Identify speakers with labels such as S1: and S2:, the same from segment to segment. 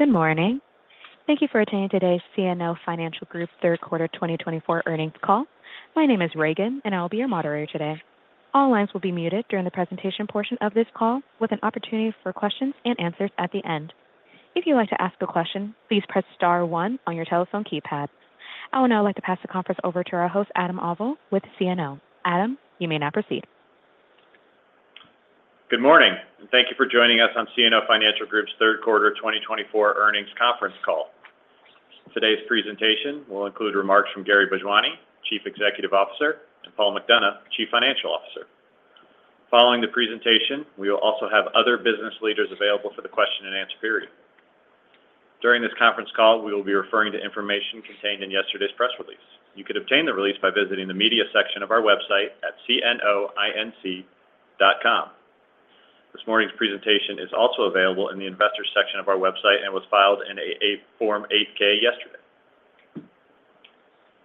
S1: Good morning. Thank you for attending today's CNO Financial Group Third Quarter 2024 Earnings Call. My name is Reagan, and I'll be your moderator today. All lines will be muted during the presentation portion of this call, with an opportunity for questions and answers at the end. If you'd like to ask a question, please press star one on your telephone keypad. I will now like to pass the conference over to our host, Adam Auvil, with CNO. Adam, you may now proceed.
S2: Good morning, and thank you for joining us on CNO Financial Group's Third quarter 2024 Earnings Conference Call. Today's presentation will include remarks from Gary Bhojwani, Chief Executive Officer, and Paul McDonough, Chief Financial Officer. Following the presentation, we will also have other business leaders available for the question-and-answer period. During this conference call, we will be referring to information contained in yesterday's press release. You can obtain the release by visiting the media section of our website at cnoinc.com. This morning's presentation is also available in the investor section of our website and was filed in a Form 8-K yesterday.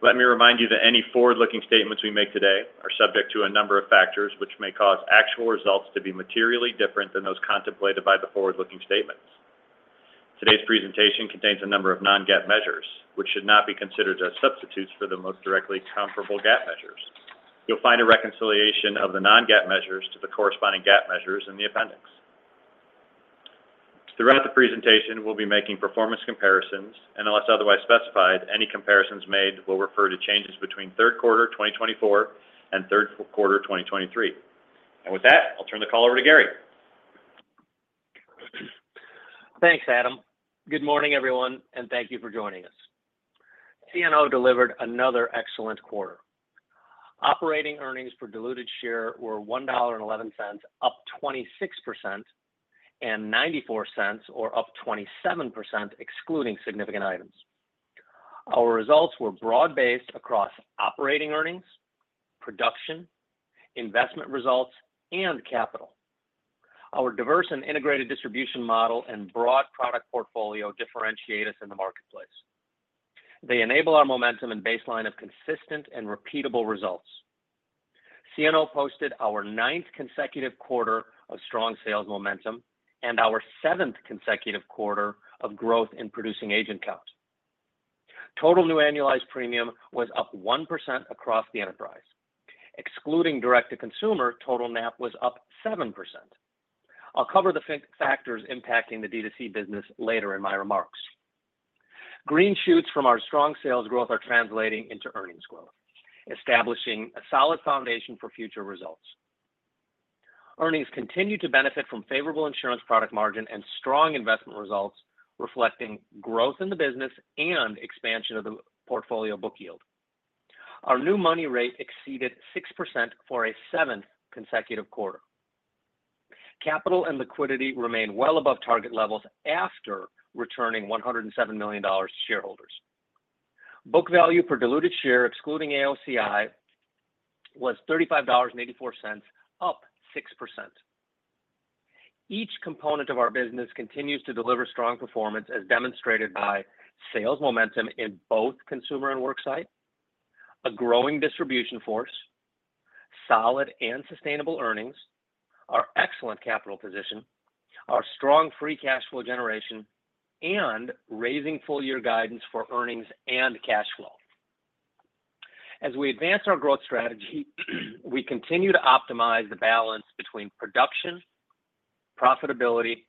S2: Let me remind you that any forward-looking statements we make today are subject to a number of factors which may cause actual results to be materially different than those contemplated by the forward-looking statements. Today's presentation contains a number of Non-GAAP measures, which should not be considered as substitutes for the most directly comparable GAAP measures. You'll find a reconciliation of the Non-GAAP measures to the corresponding GAAP measures in the appendix. Throughout the presentation, we'll be making performance comparisons, and unless otherwise specified, any comparisons made will refer to changes between third quarter 2024 and third quarter 2023, and with that, I'll turn the call over to Gary.
S3: Thanks, Adam. Good morning, everyone, and thank you for joining us. CNO delivered another excellent quarter. Operating earnings per diluted share were $1.11, up 26%, and $0.94, or up 27% excluding significant items. Our results were broad-based across operating earnings, production, investment results, and capital. Our diverse and integrated distribution model and broad product portfolio differentiate us in the marketplace. They enable our momentum and baseline of consistent and repeatable results. CNO posted our ninth consecutive quarter of strong sales momentum and our seventh consecutive quarter of growth in producing agent count. Total new annualized premium was up 1% across the enterprise. Excluding direct-to-consumer, total NAP was up 7%. I'll cover the factors impacting the D2C business later in my remarks. Green shoots from our strong sales growth are translating into earnings growth, establishing a solid foundation for future results. Earnings continue to benefit from favorable insurance product margin and strong investment results, reflecting growth in the business and expansion of the portfolio book yield. Our new money rate exceeded 6% for a seventh consecutive quarter. Capital and liquidity remain well above target levels after returning $107 million to shareholders. Book value per diluted share, excluding AOCI, was $35.84, up 6%. Each component of our business continues to deliver strong performance, as demonstrated by sales momentum in both consumer and worksite, a growing distribution force, solid and sustainable earnings, our excellent capital position, our strong free cash flow generation, and raising full-year guidance for earnings and cash flow. As we advance our growth strategy, we continue to optimize the balance between production, profitability,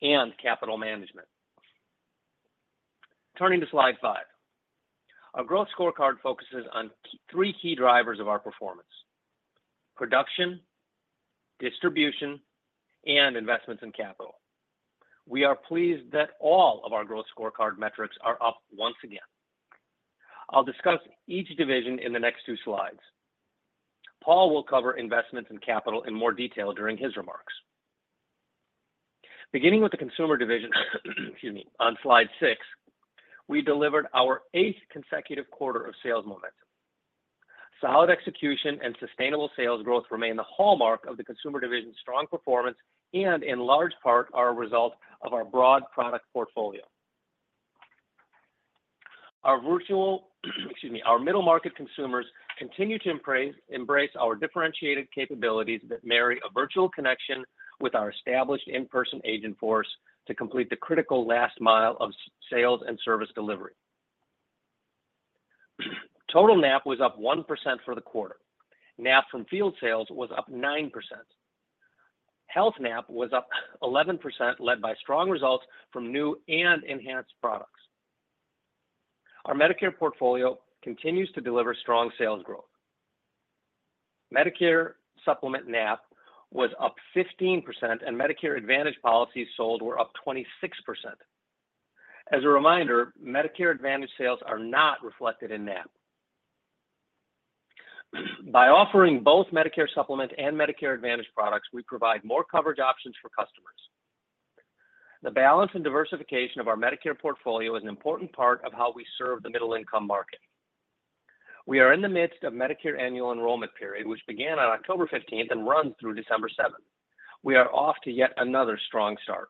S3: and capital management. Turning to slide five, our growth scorecard focuses on three key drivers of our performance: production, distribution, and investments in capital. We are pleased that all of our growth scorecard metrics are up once again. I'll discuss each division in the next two slides. Paul will cover investments and capital in more detail during his remarks. Beginning with the consumer division, excuse me, on slide six, we delivered our eighth consecutive quarter of sales momentum. Solid execution and sustainable sales growth remain the hallmark of the consumer division's strong performance and, in large part, are a result of our broad product portfolio. Our virtual, excuse me, our middle market consumers continue to embrace our differentiated capabilities that marry a virtual connection with our established in-person agent force to complete the critical last mile of sales and service delivery. Total NAP was up 1% for the quarter. NAP from field sales was up 9%. Health NAP was up 11%, led by strong results from new and enhanced products. Our Medicare portfolio continues to deliver strong sales growth. Medicare Supplement NAP was up 15%, and Medicare Advantage policies sold were up 26%. As a reminder, Medicare Advantage sales are not reflected in NAP. By offering both Medicare Supplement and Medicare Advantage products, we provide more coverage options for customers. The balance and diversification of our Medicare portfolio is an important part of how we serve the middle-income market. We are in the midst of Medicare Annual Enrollment Period, which began on October 15th and runs through December 7th. We are off to yet another strong start.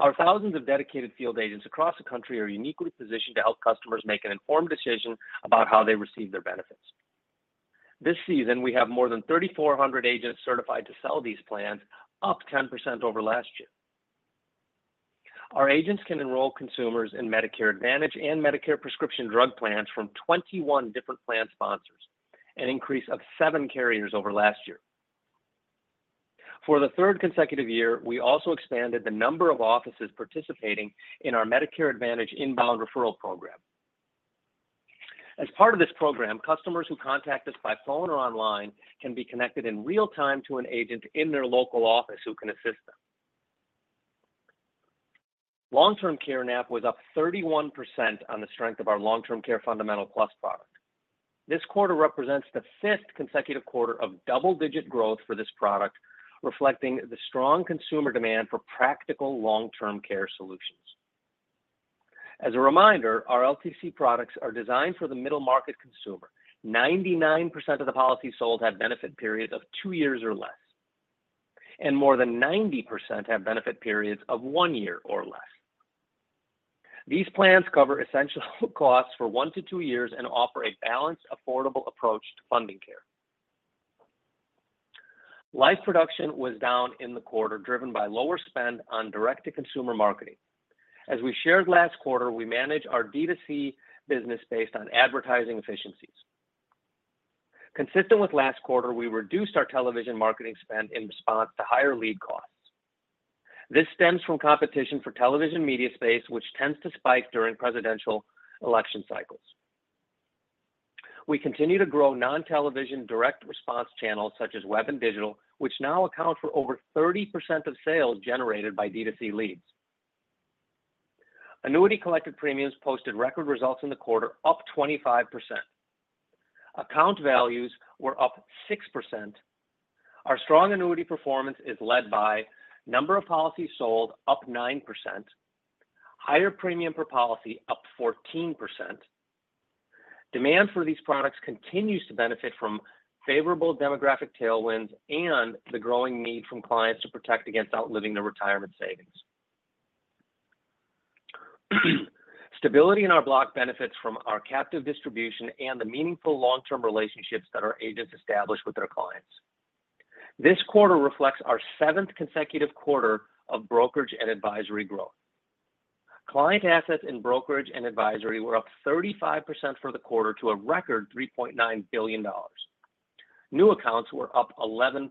S3: Our thousands of dedicated field agents across the country are uniquely positioned to help customers make an informed decision about how they receive their benefits. This season, we have more than 3,400 agents certified to sell these plans, up 10% over last year. Our agents can enroll consumers in Medicare Advantage and Medicare Prescription Drug plans from 21 different plan sponsors, an increase of seven carriers over last year. For the third consecutive year, we also expanded the number of offices participating in our Medicare Advantage inbound referral program. As part of this program, customers who contact us by phone or online can be connected in real time to an agent in their local office who can assist them. Long-term care NAP was up 31% on the strength of our Long-Term Care Fundamental Plus product. This quarter represents the fifth consecutive quarter of double-digit growth for this product, reflecting the strong consumer demand for practical long-term care solutions. As a reminder, our LTC products are designed for the middle market consumer. 99% of the policies sold have benefit periods of two years or less, and more than 90% have benefit periods of one year or less. These plans cover essential costs for one to two years and offer a balanced, affordable approach to funding care. Life production was down in the quarter, driven by lower spend on direct-to-consumer marketing. As we shared last quarter, we manage our D2C business based on advertising efficiencies. Consistent with last quarter, we reduced our television marketing spend in response to higher lead costs. This stems from competition for television media space, which tends to spike during presidential election cycles. We continue to grow non-television direct response channels such as web and digital, which now account for over 30% of sales generated by D2C leads. Annuity collected premiums posted record results in the quarter, up 25%. Account values were up 6%. Our strong annuity performance is led by number of policies sold, up 9%. Higher premium per policy, up 14%. Demand for these products continues to benefit from favorable demographic tailwinds and the growing need from clients to protect against outliving their retirement savings. Stability in our block benefits from our captive distribution and the meaningful long-term relationships that our agents establish with their clients. This quarter reflects our seventh consecutive quarter of brokerage and advisory growth. Client assets in brokerage and advisory were up 35% for the quarter to a record $3.9 billion. New accounts were up 11%.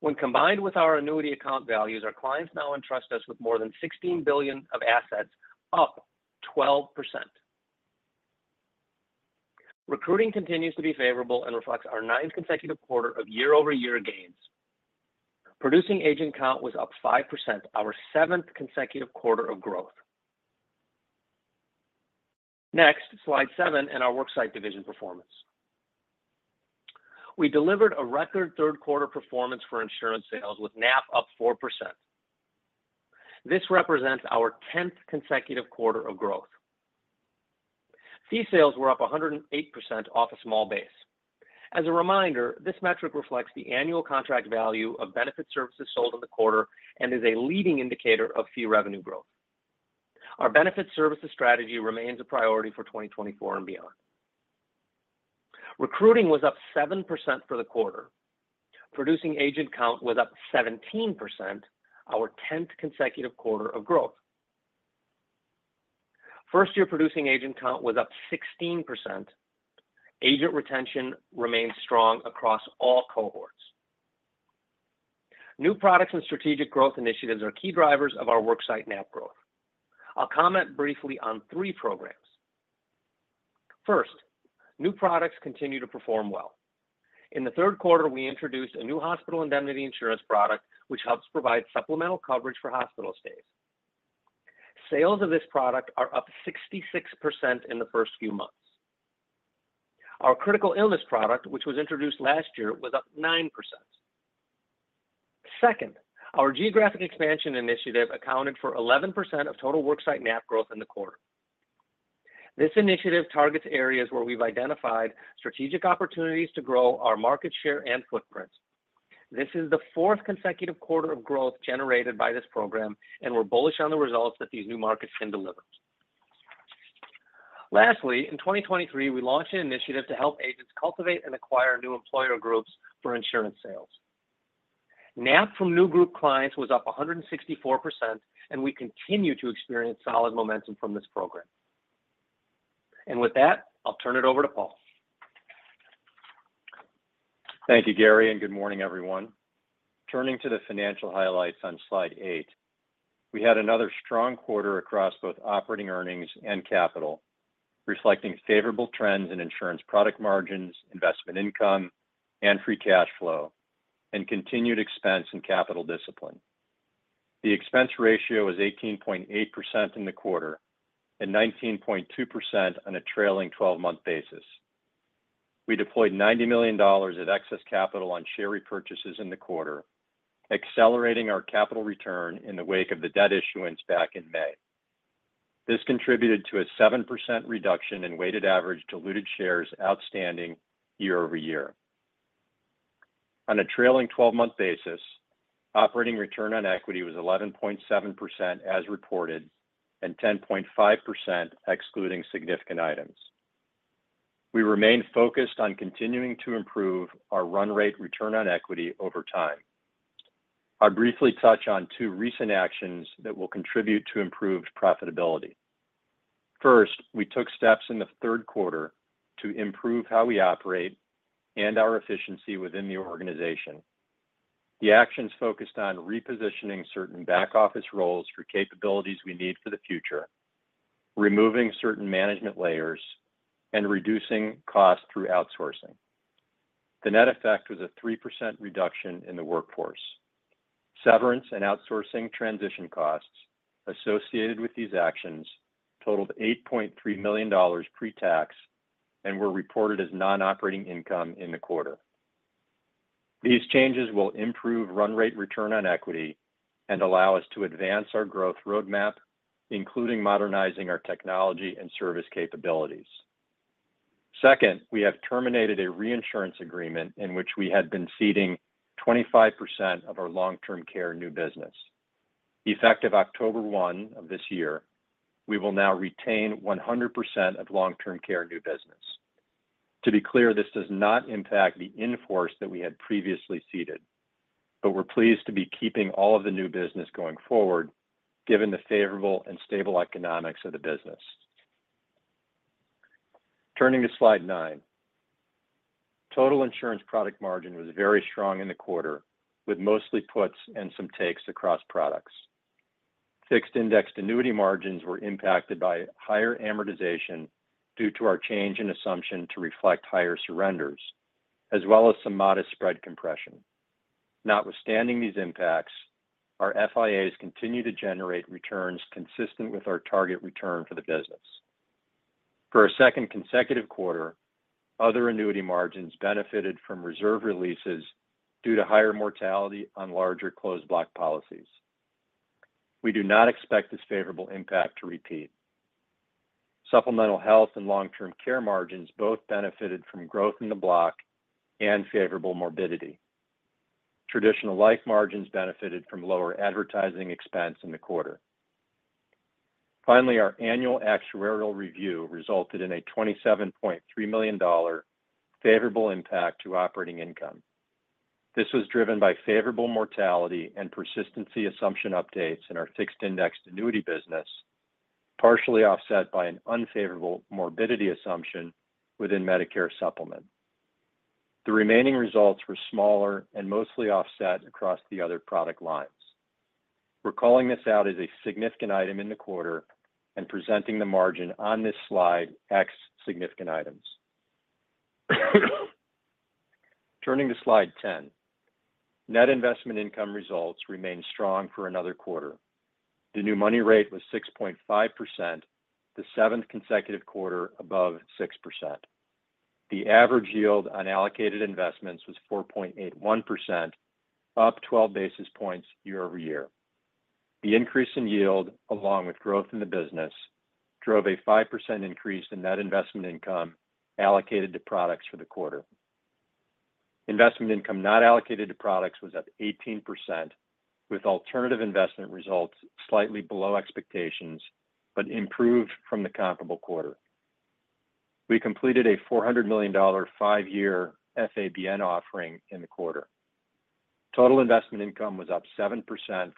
S3: When combined with our annuity account values, our clients now entrust us with more than $16 billion of assets, up 12%. Recruiting continues to be favorable and reflects our ninth consecutive quarter of year-over-year gains. Producing agent count was up 5%, our seventh consecutive quarter of growth. Next, slide seven in our worksite division performance. We delivered a record third quarter performance for insurance sales, with NAP up 4%. This represents our tenth consecutive quarter of growth. Fee sales were up 108% off a small base. As a reminder, this metric reflects the annual contract value of benefit services sold in the quarter and is a leading indicator of fee revenue growth. Our benefit services strategy remains a priority for 2024 and beyond. Recruiting was up 7% for the quarter. Producing agent count was up 17%, our tenth consecutive quarter of growth. First-year producing agent count was up 16%. Agent retention remained strong across all cohorts. New products and strategic growth initiatives are key drivers of our worksite NAP growth. I'll comment briefly on three programs. First, new products continue to perform well. In the third quarter, we introduced a new hospital indemnity insurance product, which helps provide supplemental coverage for hospital stays. Sales of this product are up 66% in the first few months. Our critical illness product, which was introduced last year, was up 9%. Second, our geographic expansion initiative accounted for 11% of total worksite NAP growth in the quarter. This initiative targets areas where we've identified strategic opportunities to grow our market share and footprint. This is the fourth consecutive quarter of growth generated by this program, and we're bullish on the results that these new markets can deliver. Lastly, in 2023, we launched an initiative to help agents cultivate and acquire new employer groups for insurance sales. NAP from new group clients was up 164%, and we continue to experience solid momentum from this program. And with that, I'll turn it over to Paul.
S4: Thank you, Gary, and good morning, everyone. Turning to the financial highlights on slide eight, we had another strong quarter across both operating earnings and capital, reflecting favorable trends in insurance product margins, investment income, and free cash flow, and continued expense and capital discipline. The expense ratio was 18.8% in the quarter and 19.2% on a trailing 12-month basis. We deployed $90 million of excess capital on share repurchases in the quarter, accelerating our capital return in the wake of the debt issuance back in May. This contributed to a 7% reduction in weighted average diluted shares outstanding year-over-year. On a trailing 12-month basis, operating return on equity was 11.7% as reported and 10.5% excluding significant items. We remain focused on continuing to improve our run rate return on equity over time. I'll briefly touch on two recent actions that will contribute to improved profitability. First, we took steps in the third quarter to improve how we operate and our efficiency within the organization. The actions focused on repositioning certain back-office roles for capabilities we need for the future, removing certain management layers, and reducing costs through outsourcing. The net effect was a 3% reduction in the workforce. Severance and outsourcing transition costs associated with these actions totaled $8.3 million pre-tax and were reported as non-operating income in the quarter. These changes will improve run rate return on equity and allow us to advance our growth roadmap, including modernizing our technology and service capabilities. Second, we have terminated a reinsurance agreement in which we had been ceding 25% of our long-term care new business. Effective October 1 of this year, we will now retain 100% of long-term care new business. To be clear, this does not impact the inforce that we had previously ceded, but we're pleased to be keeping all of the new business going forward, given the favorable and stable economics of the business. Turning to slide nine, total insurance product margin was very strong in the quarter, with mostly puts and some takes across products. Fixed indexed annuity margins were impacted by higher amortization due to our change in assumption to reflect higher surrenders, as well as some modest spread compression. Notwithstanding these impacts, our FIAs continue to generate returns consistent with our target return for the business. For a second consecutive quarter, other annuity margins benefited from reserve releases due to higher mortality on larger closed-block policies. We do not expect this favorable impact to repeat. Supplemental health and long-term care margins both benefited from growth in the block and favorable morbidity. Traditional life margins benefited from lower advertising expense in the quarter. Finally, our annual actuarial review resulted in a $27.3 million favorable impact to operating income. This was driven by favorable mortality and persistency assumption updates in our fixed indexed annuity business, partially offset by an unfavorable morbidity assumption within Medicare Supplement. The remaining results were smaller and mostly offset across the other product lines. We're calling this out as a significant item in the quarter and presenting the margin on this slide as significant items. Turning to slide 10, net investment income results remained strong for another quarter. The new money rate was 6.5%, the seventh consecutive quarter above 6%. The average yield on allocated investments was 4.81%, up 12 basis points year-over-year. The increase in yield, along with growth in the business, drove a 5% increase in net investment income allocated to products for the quarter. Investment income not allocated to products was up 18%, with alternative investment results slightly below expectations but improved from the comparable quarter. We completed a $400 million five-year FABN offering in the quarter. Total investment income was up 7%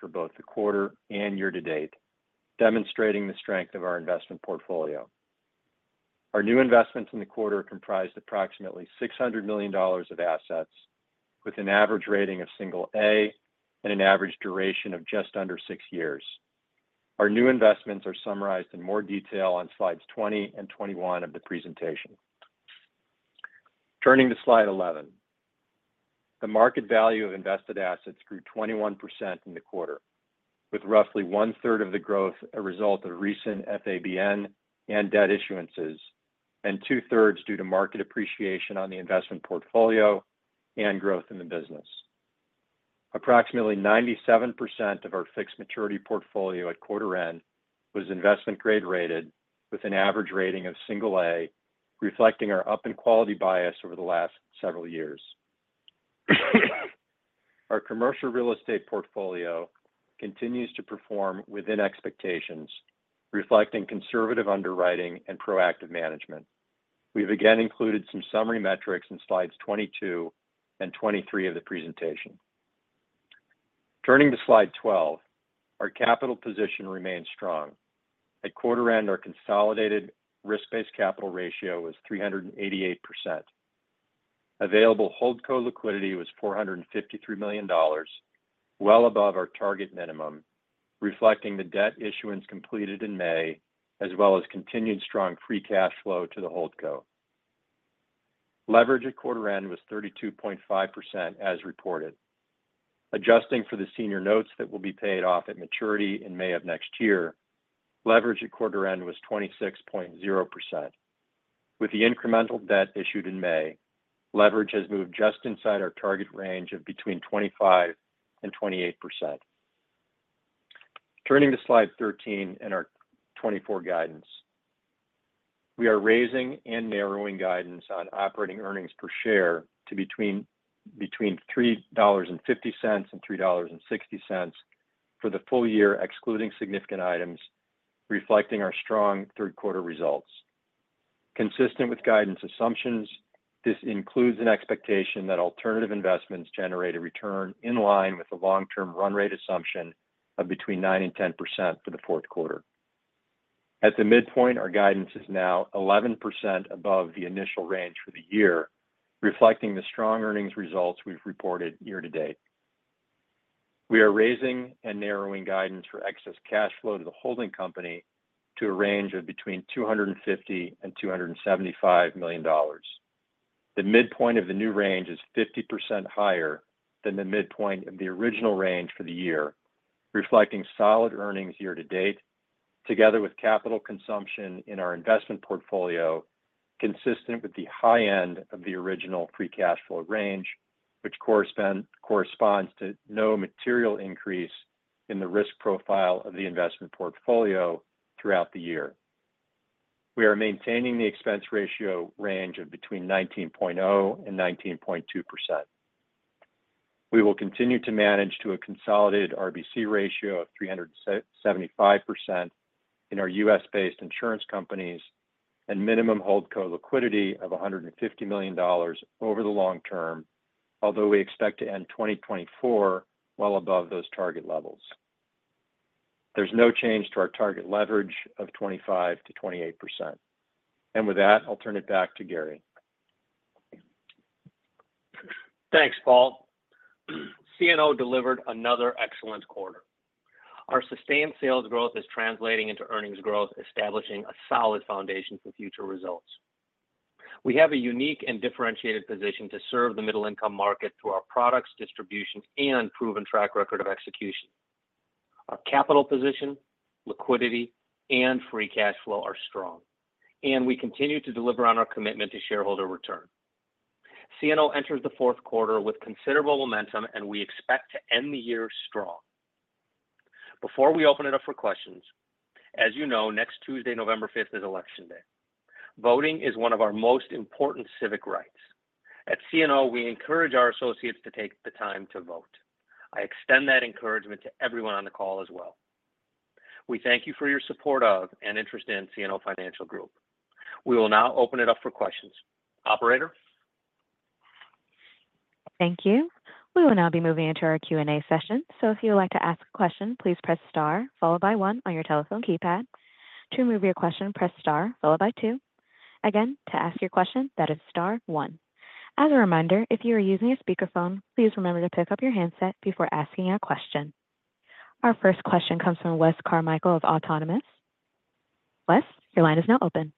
S4: for both the quarter and year to date, demonstrating the strength of our investment portfolio. Our new investments in the quarter comprised approximately $600 million of assets, with an average rating of single A and an average duration of just under six years. Our new investments are summarized in more detail on slides 20 and 21 of the presentation. Turning to slide 11, the market value of invested assets grew 21% in the quarter, with roughly one-third of the growth a result of recent FABN and debt issuances, and two-thirds due to market appreciation on the investment portfolio and growth in the business. Approximately 97% of our fixed maturity portfolio at quarter end was investment-grade rated, with an average rating of single A, reflecting our up-and-quality bias over the last several years. Our commercial real estate portfolio continues to perform within expectations, reflecting conservative underwriting and proactive management. We've again included some summary metrics in slides 22 and 23 of the presentation. Turning to slide 12, our capital position remains strong. At quarter end, our consolidated risk-based capital ratio was 388%. Available HoldCo liquidity was $453 million, well above our target minimum, reflecting the debt issuance completed in May, as well as continued strong free cash flow to the HoldCo. Leverage at quarter end was 32.5% as reported. Adjusting for the senior notes that will be paid off at maturity in May of next year, leverage at quarter end was 26.0%. With the incremental debt issued in May, leverage has moved just inside our target range of between 25 and 28%. Turning to Slide 13 in our 2024 guidance, we are raising and narrowing guidance on operating earnings per share to between $3.50 and $3.60 for the full year, excluding significant items, reflecting our strong third-quarter results. Consistent with guidance assumptions, this includes an expectation that alternative investments generate a return in line with the long-term run rate assumption of between 9 and 10% for the fourth quarter. At the midpoint, our guidance is now 11% above the initial range for the year, reflecting the strong earnings results we've reported year to date. We are raising and narrowing guidance for excess cash flow to the holding company to a range of between $250 and $275 million. The midpoint of the new range is 50% higher than the midpoint of the original range for the year, reflecting solid earnings year to date, together with capital consumption in our investment portfolio consistent with the high end of the original free cash flow range, which corresponds to no material increase in the risk profile of the investment portfolio throughout the year. We are maintaining the expense ratio range of between 19.0 and 19.2%. We will continue to manage to a consolidated RBC ratio of 375% in our U.S.-based insurance companies and minimum HoldCo liquidity of $150 million over the long term, although we expect to end 2024 well above those target levels. There's no change to our target leverage of 25%-28%. And with that, I'll turn it back to Gary.
S3: Thanks, Paul. CNO delivered another excellent quarter. Our sustained sales growth is translating into earnings growth, establishing a solid foundation for future results. We have a unique and differentiated position to serve the middle-income market through our products, distribution, and proven track record of execution. Our capital position, liquidity, and free cash flow are strong, and we continue to deliver on our commitment to shareholder return. CNO enters the fourth quarter with considerable momentum, and we expect to end the year strong. Before we open it up for questions, as you know, next Tuesday, November 5th, is Election Day. Voting is one of our most important civic rights. At CNO, we encourage our associates to take the time to vote. I extend that encouragement to everyone on the call as well. We thank you for your support of and interest in CNO Financial Group. We will now open it up for questions. Operator?
S1: Thank you. We will now be moving into our Q&A session. So if you would like to ask a question, please press star followed by one on your telephone keypad. To move your question, press star followed by two. Again, to ask your question, that is star one. As a reminder, if you are using a speakerphone, please remember to pick up your handset before asking a question. Our first question comes from Wes Carmichael of Autonomous Research. Wes, your line is now open.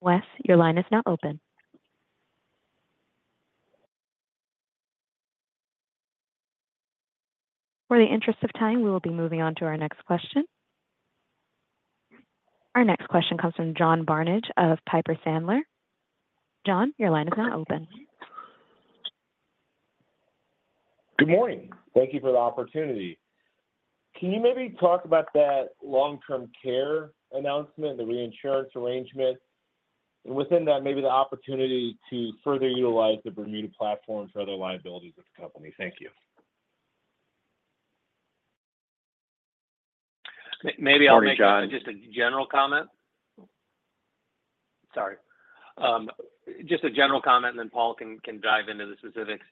S1: Wes, your line is now open. For the interest of time, we will be moving on to our next question. Our next question comes from John Barnidge of Piper Sandler. John, your line is now open.
S5: Good morning. Thank you for the opportunity. Can you maybe talk about that long-term care announcement, the reinsurance arrangement, and within that, maybe the opportunity to further utilize the Bermuda platform for other liabilities of the company? Thank you.
S3: Maybe I'll make just a general comment. Sorry. Just a general comment, and then Paul can dive into the specifics.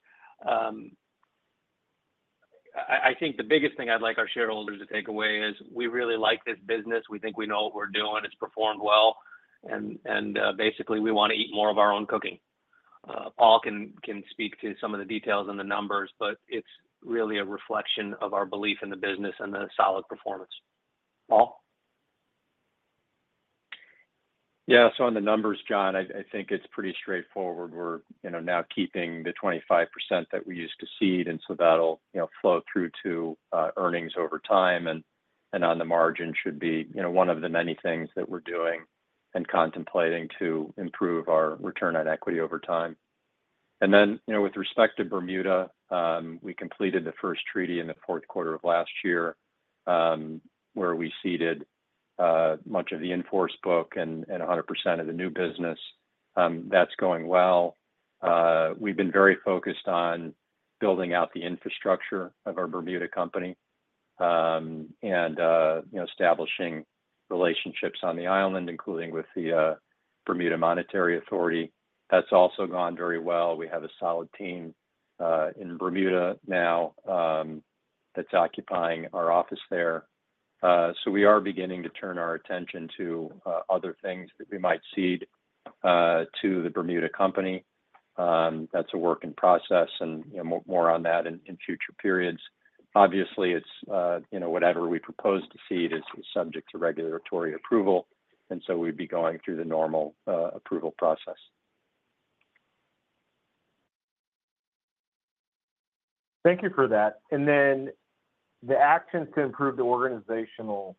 S3: I think the biggest thing I'd like our shareholders to take away is we really like this business. We think we know what we're doing. It's performed well. And basically, we want to eat more of our own cooking. Paul can speak to some of the details and the numbers, but it's really a reflection of our belief in the business and the solid performance. Paul?
S4: Yeah. So on the numbers, John, I think it's pretty straightforward. We're now keeping the 25% that we used to cede, and so that'll flow through to earnings over time. And on the margin should be one of the many things that we're doing and contemplating to improve our return on equity over time. And then with respect to Bermuda, we completed the first treaty in the fourth quarter of last year where we ceded much of the inforce book and 100% of the new business. That's going well. We've been very focused on building out the infrastructure of our Bermuda company and establishing relationships on the island, including with the Bermuda Monetary Authority. That's also gone very well. We have a solid team in Bermuda now that's occupying our office there. So we are beginning to turn our attention to other things that we might cede to the Bermuda company. That's a work in process and more on that in future periods. Obviously, whatever we propose to cede is subject to regulatory approval, and so we'd be going through the normal approval process.
S5: Thank you for that. And then the actions to improve the organizational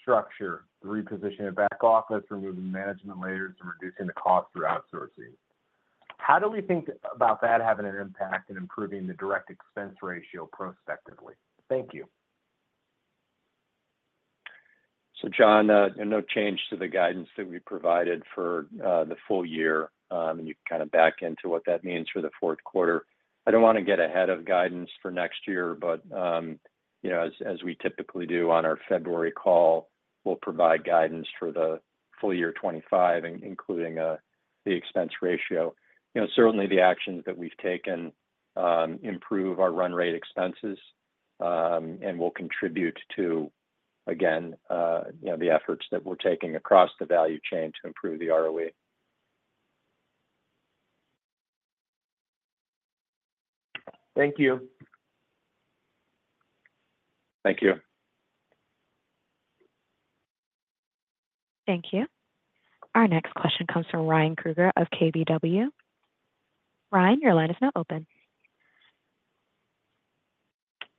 S5: structure, repositioning back office, removing management layers, and reducing the cost through outsourcing. How do we think about that having an impact in improving the direct expense ratio prospectively? Thank you.
S4: John, no change to the guidance that we provided for the full year. You can kind of back into what that means for the fourth quarter. I don't want to get ahead of guidance for next year, but as we typically do on our February call, we'll provide guidance for the full year 2025, including the expense ratio. Certainly, the actions that we've taken improve our run rate expenses and will contribute to, again, the efforts that we're taking across the value chain to improve the ROE.
S5: Thank you.
S4: Thank you.
S1: Thank you. Our next question comes from Ryan Krueger of KBW. Ryan, your line is now open.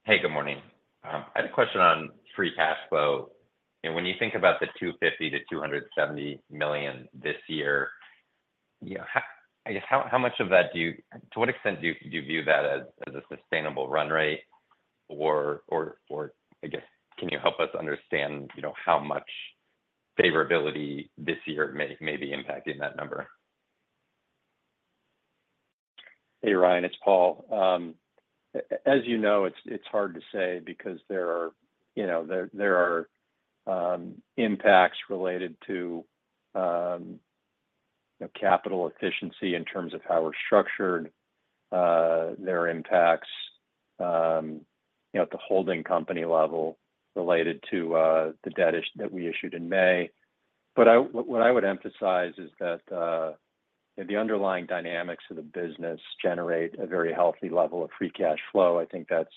S6: Hey, good morning. I have a question on free cash flow. When you think about the $250-$270 million this year, I guess how much of that, to what extent do you view that as a sustainable run rate? Or I guess, can you help us understand how much favorability this year may be impacting that number?
S4: Hey, Ryan, it's Paul. As you know, it's hard to say because there are impacts related to capital efficiency in terms of how we're structured. There are impacts at the holding company level related to the debt issue that we issued in May. But what I would emphasize is that the underlying dynamics of the business generate a very healthy level of free cash flow. I think that's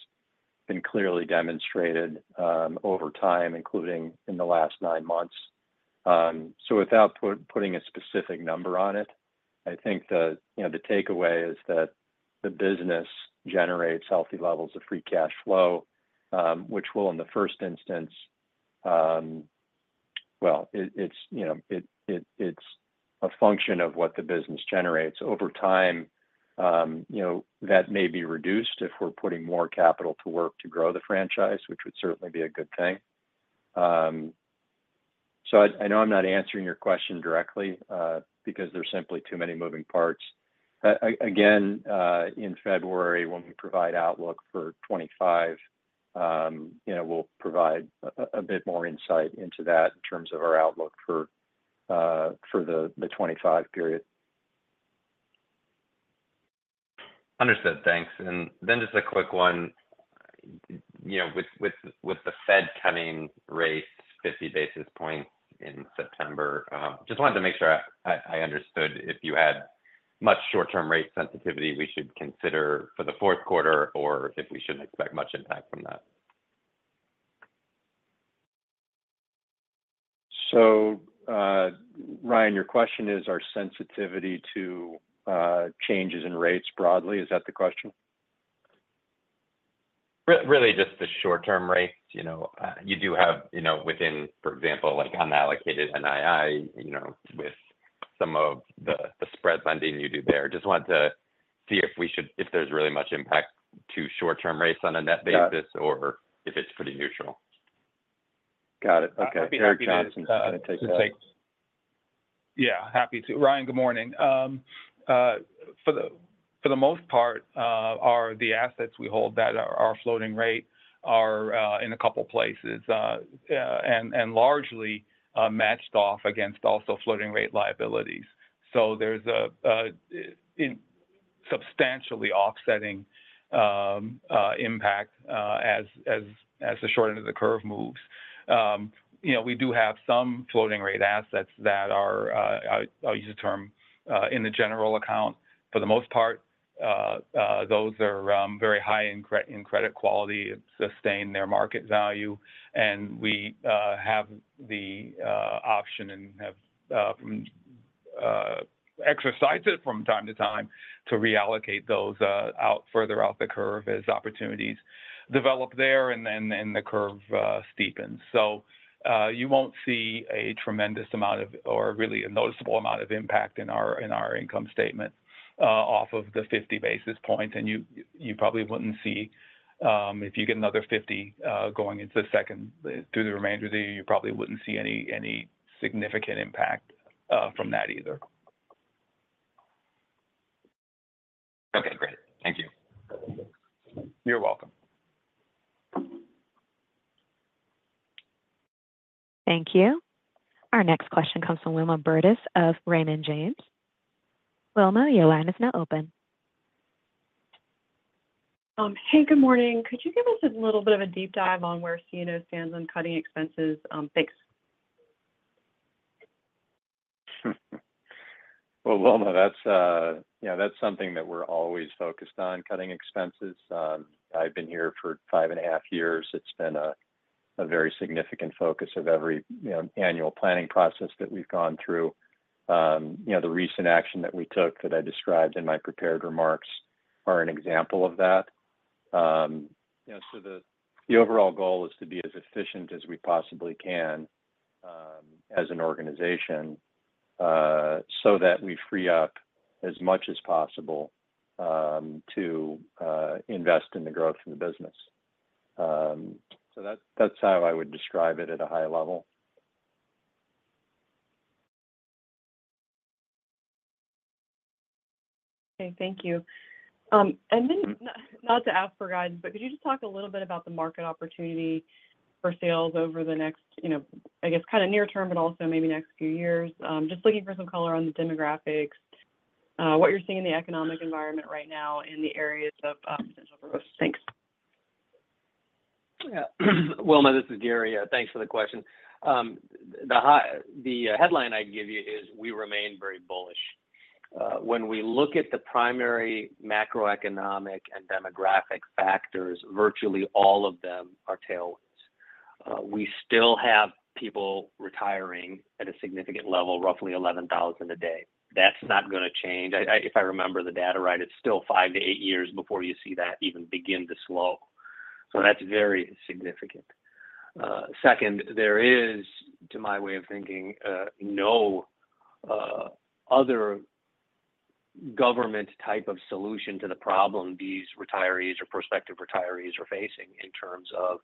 S4: been clearly demonstrated over time, including in the last nine months. So without putting a specific number on it, I think the takeaway is that the business generates healthy levels of free cash flow, which will, in the first instance, well, it's a function of what the business generates. Over time, that may be reduced if we're putting more capital to work to grow the franchise, which would certainly be a good thing. I know I'm not answering your question directly because there's simply too many moving parts. Again, in February, when we provide outlook for 2025, we'll provide a bit more insight into that in terms of our outlook for the 2025 period.
S6: Understood. Thanks. And then just a quick one. With the Fed cutting rates 50 basis points in September, just wanted to make sure I understood if you had much short-term rate sensitivity we should consider for the fourth quarter or if we shouldn't expect much impact from that.
S4: So Ryan, your question is our sensitivity to changes in rates broadly. Is that the question?
S6: Really, just the short-term rates. You do have within, for example, like unallocated NII with some of the spread funding you do there. Just wanted to see if there's really much impact to short-term rates on a net basis or if it's pretty neutral? Got it.
S4: Okay. Eric Johnson, you want to take that?
S7: Yeah. Happy to. Ryan, good morning. For the most part, the assets we hold that are our floating rate are in a couple of places and largely matched off against also floating rate liabilities. So there's a substantially offsetting impact as the short end of the curve moves. We do have some floating rate assets that are, I'll use the term, in the general account. For the most part, those are very high in credit quality and sustain their market value. And we have the option and have exercised it from time to time to reallocate those further out the curve as opportunities develop there and then the curve steepens. So you won't see a tremendous amount of or really a noticeable amount of impact in our income statement off of the 50 basis points. You probably wouldn't see if you get another 50 going into the second through the remainder of the year. You probably wouldn't see any significant impact from that either.
S6: Okay. Great. Thank you.
S7: You're welcome.
S1: Thank you. Our next question comes from Wilma Burdis of Raymond James. Wilma, your line is now open.
S8: Hey, good morning. Could you give us a little bit of a deep dive on where CNO stands on cutting expenses? Thanks.
S4: Wilma, that's something that we're always focused on, cutting expenses. I've been here for five and a half years. It's been a very significant focus of every annual planning process that we've gone through. The recent action that we took that I described in my prepared remarks are an example of that. So the overall goal is to be as efficient as we possibly can as an organization so that we free up as much as possible to invest in the growth of the business. So that's how I would describe it at a high level.
S8: Okay. Thank you. And then not to ask for guidance, but could you just talk a little bit about the market opportunity for sales over the next, I guess, kind of near term, but also maybe next few years? Just looking for some color on the demographics, what you're seeing in the economic environment right now in the areas of potential growth. Thanks.
S3: Wilma, this is Gary. Thanks for the question. The headline I'd give you is we remain very bullish. When we look at the primary macroeconomic and demographic factors, virtually all of them are tailwinds. We still have people retiring at a significant level, roughly 11,000 a day. That's not going to change. If I remember the data right, it's still five to eight years before you see that even begin to slow. So that's very significant. Second, there is, to my way of thinking, no other government type of solution to the problem these retirees or prospective retirees are facing in terms of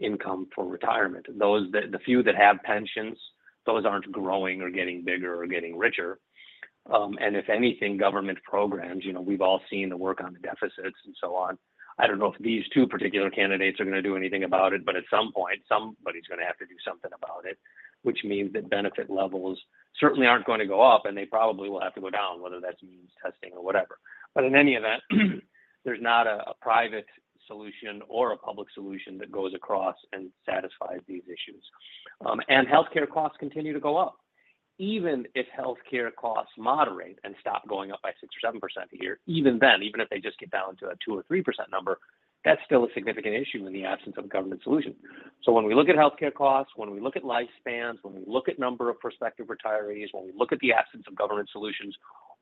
S3: income for retirement. The few that have pensions, those aren't growing or getting bigger or getting richer. And if anything, government programs, we've all seen the work on the deficits and so on. I don't know if these two particular candidates are going to do anything about it, but at some point, somebody's going to have to do something about it, which means that benefit levels certainly aren't going to go up, and they probably will have to go down, whether that's means testing or whatever. But in any event, there's not a private solution or a public solution that goes across and satisfies these issues, and healthcare costs continue to go up. Even if healthcare costs moderate and stop going up by 6 or 7% a year, even then, even if they just get down to a 2 or 3% number, that's still a significant issue in the absence of a government solution. So when we look at healthcare costs, when we look at lifespans, when we look at the number of prospective retirees, when we look at the absence of government solutions,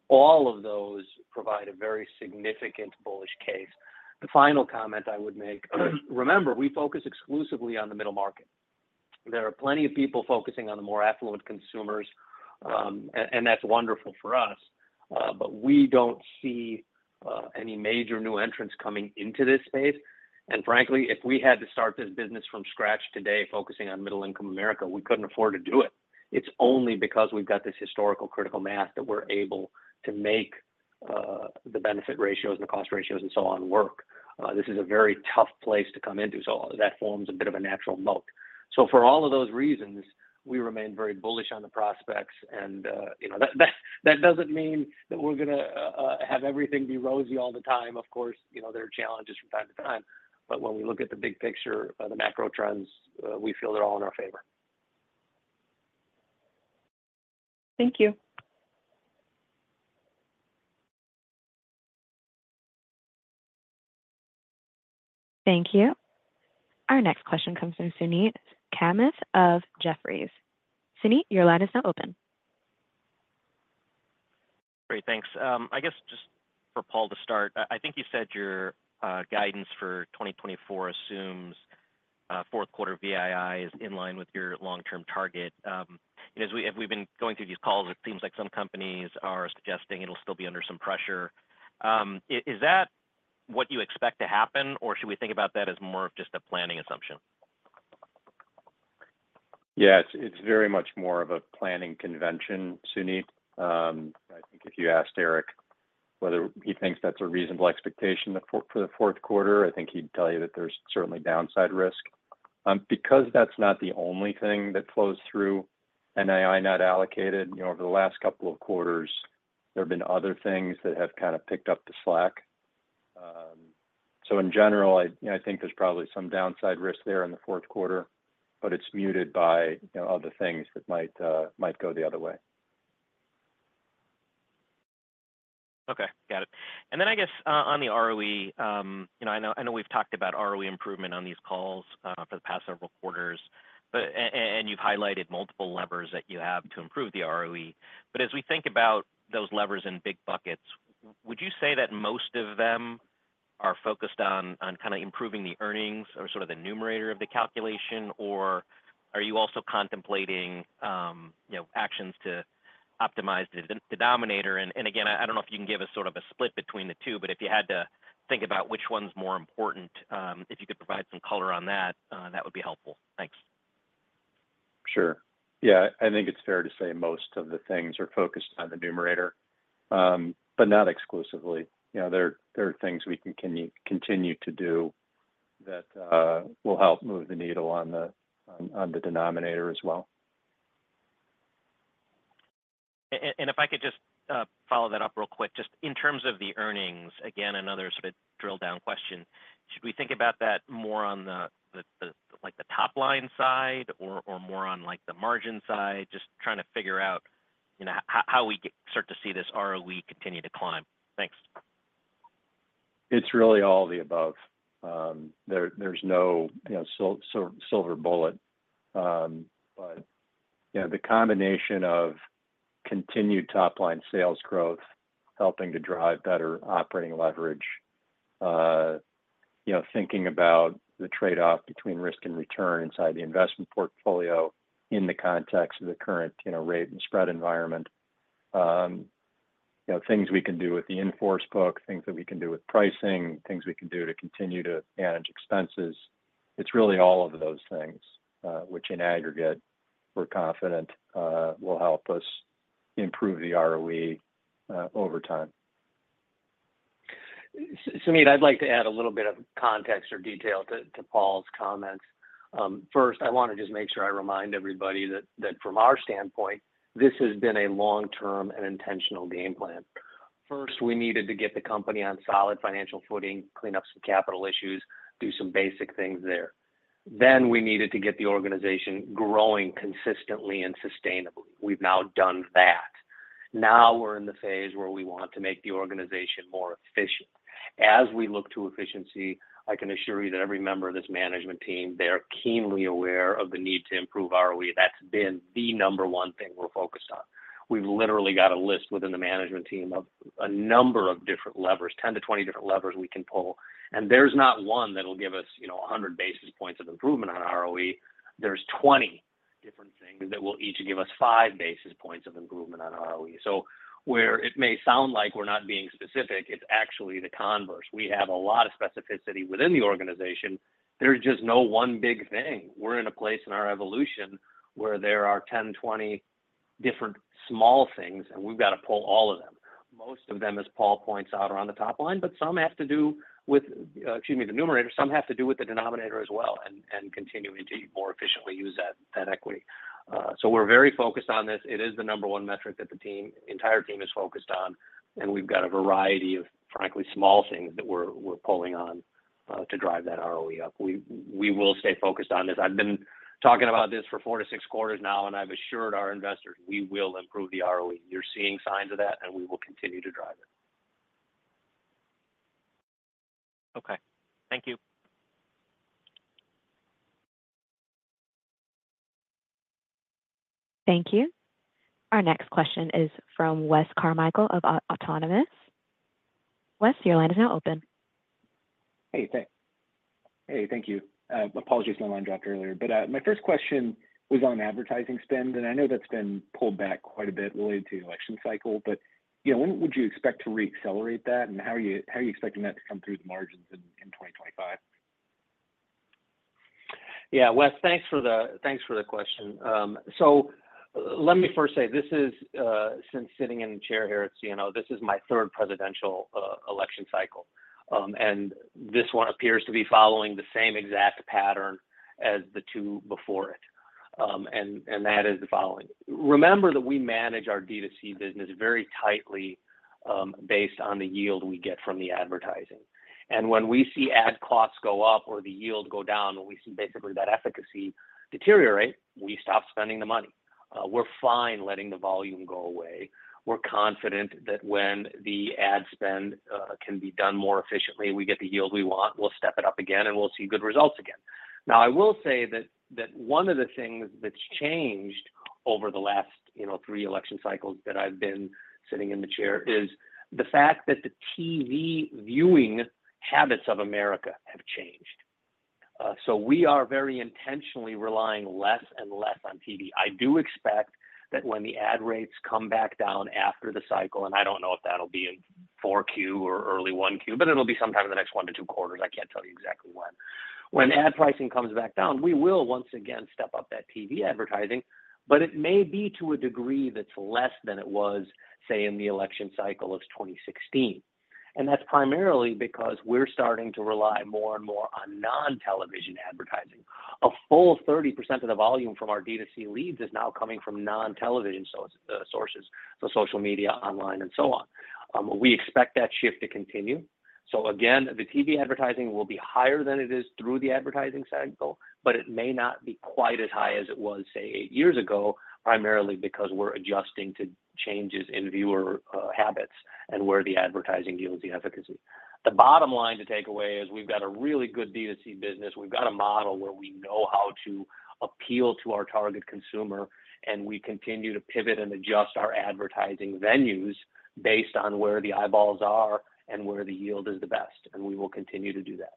S3: all of those provide a very significant bullish case. The final comment I would make, remember, we focus exclusively on the middle market. There are plenty of people focusing on the more affluent consumers, and that's wonderful for us, but we don't see any major new entrants coming into this space. And frankly, if we had to start this business from scratch today focusing on middle-income America, we couldn't afford to do it. It's only because we've got this historical critical mass that we're able to make the benefit ratios and the cost ratios and so on work. This is a very tough place to come into. So that forms a bit of a natural moat. For all of those reasons, we remain very bullish on the prospects. That doesn't mean that we're going to have everything be rosy all the time. Of course, there are challenges from time to time. When we look at the big picture, the macro trends, we feel they're all in our favor.
S8: Thank you.
S1: Thank you. Our next question comes from Sunit Kamath of Jefferies. Sunit, your line is now open.
S9: Great. Thanks. I guess just for Paul to start, I think you said your guidance for 2024 assumes fourth quarter VII is in line with your long-term target. As we've been going through these calls, it seems like some companies are suggesting it'll still be under some pressure. Is that what you expect to happen, or should we think about that as more of just a planning assumption?
S4: Yeah. It's very much more of a planning convention, Sunit. I think if you asked Eric whether he thinks that's a reasonable expectation for the fourth quarter, I think he'd tell you that there's certainly downside risk. Because that's not the only thing that flows through NII not allocated, over the last couple of quarters, there have been other things that have kind of picked up the slack. So in general, I think there's probably some downside risk there in the fourth quarter, but it's muted by other things that might go the other way.
S9: Okay. Got it. And then I guess on the ROE, I know we've talked about ROE improvement on these calls for the past several quarters, and you've highlighted multiple levers that you have to improve the ROE. But as we think about those levers in big buckets, would you say that most of them are focused on kind of improving the earnings or sort of the numerator of the calculation, or are you also contemplating actions to optimize the denominator? And again, I don't know if you can give us sort of a split between the two, but if you had to think about which one's more important, if you could provide some color on that, that would be helpful. Thanks.
S4: Sure. Yeah. I think it's fair to say most of the things are focused on the numerator, but not exclusively. There are things we can continue to do that will help move the needle on the denominator as well.
S9: If I could just follow that up real quick, just in terms of the earnings, again, another sort of drill-down question. Should we think about that more on the top-line side or more on the margin side, just trying to figure out how we start to see this ROE continue to climb? Thanks.
S4: It's really all the above. There's no silver bullet. But the combination of continued top-line sales growth helping to drive better operating leverage, thinking about the trade-off between risk and return inside the investment portfolio in the context of the current rate and spread environment, things we can do with the in-force book, things that we can do with pricing, things we can do to continue to manage expenses. It's really all of those things, which in aggregate, we're confident will help us improve the ROE over time.
S3: Sunit, I'd like to add a little bit of context or detail to Paul's comments. First, I want to just make sure I remind everybody that from our standpoint, this has been a long-term and intentional game plan. First, we needed to get the company on solid financial footing, clean up some capital issues, do some basic things there. Then we needed to get the organization growing consistently and sustainably. We've now done that. Now we're in the phase where we want to make the organization more efficient. As we look to efficiency, I can assure you that every member of this management team, they're keenly aware of the need to improve ROE. That's been the number one thing we're focused on. We've literally got a list within the management team of a number of different levers, 10 to 20 different levers we can pull. There's not one that'll give us 100 basis points of improvement on ROE. There's 20 different things that will each give us 5 basis points of improvement on ROE. So where it may sound like we're not being specific, it's actually the converse. We have a lot of specificity within the organization. There's just no one big thing. We're in a place in our evolution where there are 10, 20 different small things, and we've got to pull all of them. Most of them, as Paul points out, are on the top line, but some have to do with, excuse me, the numerator. Some have to do with the denominator as well and continue to more efficiently use that equity. So we're very focused on this. It is the number one metric that the entire team is focused on, and we've got a variety of, frankly, small things that we're pulling on to drive that ROE up. We will stay focused on this. I've been talking about this for four to six quarters now, and I've assured our investors we will improve the ROE. You're seeing signs of that, and we will continue to drive it.
S9: Okay. Thank you.
S1: Thank you. Our next question is from Wes Carmichael of Autonomous Research. Wes, your line is now open.
S10: Thank you. Apologies for my line dropped earlier. But my first question was on advertising spend, and I know that's been pulled back quite a bit related to the election cycle. But when would you expect to re-accelerate that, and how are you expecting that to come through the margins in 2025?
S3: Yeah. Wes, thanks for the question. So let me first say, since sitting in the chair here at CNO, this is my third presidential election cycle. And this one appears to be following the same exact pattern as the two before it. And that is the following. Remember that we manage our D2C business very tightly based on the yield we get from the advertising. And when we see ad costs go up or the yield go down, when we see basically that efficacy deteriorate, we stop spending the money. We're fine letting the volume go away. We're confident that when the ad spend can be done more efficiently, we get the yield we want, we'll step it up again, and we'll see good results again. Now, I will say that one of the things that's changed over the last three election cycles that I've been sitting in the chair is the fact that the TV viewing habits of America have changed. So we are very intentionally relying less and less on TV. I do expect that when the ad rates come back down after the cycle, and I don't know if that'll be in 4Q or early 1Q, but it'll be sometime in the next one to two quarters. I can't tell you exactly when. When ad pricing comes back down, we will once again step up that TV advertising, but it may be to a degree that's less than it was, say, in the election cycle of 2016. And that's primarily because we're starting to rely more and more on non-television advertising. A full 30% of the volume from our D2C leads is now coming from non-television sources, so social media, online, and so on. We expect that shift to continue, so again, the TV advertising will be higher than it is through the advertising cycle, but it may not be quite as high as it was, say, eight years ago, primarily because we're adjusting to changes in viewer habits and where the advertising yields the efficacy. The bottom line to take away is we've got a really good D2C business. We've got a model where we know how to appeal to our target consumer, and we continue to pivot and adjust our advertising venues based on where the eyeballs are and where the yield is the best, and we will continue to do that.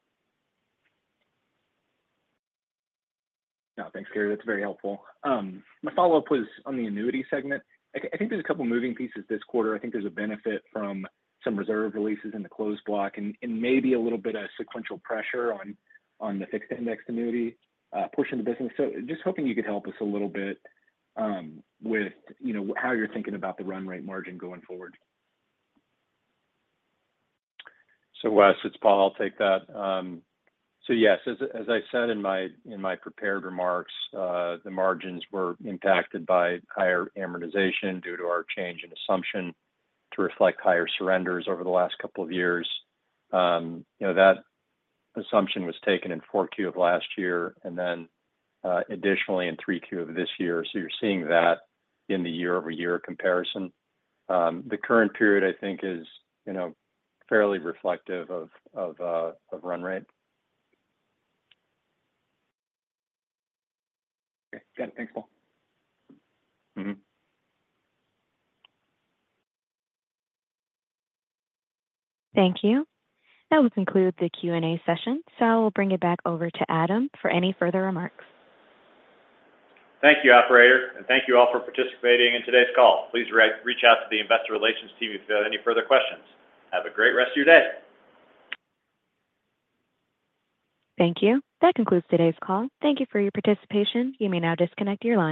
S10: Yeah. Thanks, Gary. That's very helpful. My follow-up was on the annuity segment. I think there's a couple of moving pieces this quarter. I think there's a benefit from some reserve releases in the closed block and maybe a little bit of sequential pressure on the fixed indexed annuity portion of the business. So just hoping you could help us a little bit with how you're thinking about the run rate margin going forward.
S4: So Wes, it's Paul. I'll take that. So yes, as I said in my prepared remarks, the margins were impacted by higher amortization due to our change in assumption to reflect higher surrenders over the last couple of years. That assumption was taken in 4Q of last year and then additionally in 3Q of this year. So you're seeing that in the year-over-year comparison. The current period, I think, is fairly reflective of run rate.
S10: Okay. Got it. Thanks, Paul.
S1: Thank you. That will conclude the Q&A session. So I will bring it back over to Adam for any further remarks.
S2: Thank you, operator. And thank you all for participating in today's call. Please reach out to the investor relations team if you have any further questions. Have a great rest of your day.
S1: Thank you. That concludes today's call. Thank you for your participation. You may now disconnect your line.